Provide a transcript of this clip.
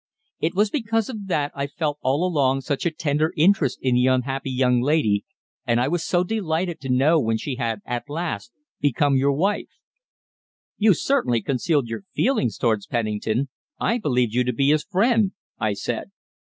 It was because of that I felt all along such a tender interest in the unhappy young lady, and I was so delighted to know when she had at last become your wife." "You certainly concealed your feelings towards Pennington. I believed you to be his friend," I said.